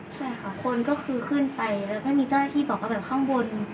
ใช่ค่ะคนก็คือขึ้นไปแล้วก็มีเจ้าหน้าที่บอกว่าแบบข้างบน